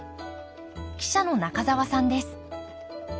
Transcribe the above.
記者の仲澤さんです。